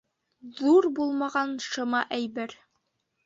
Ҙур булмаған шыма әйбер.